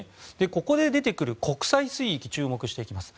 ここで出てくる国際水域注目していきます。